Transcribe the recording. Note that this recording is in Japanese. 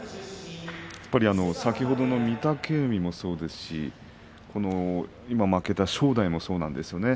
先ほどの御嶽海もそうですし今、負けた正代もそうなんですよね。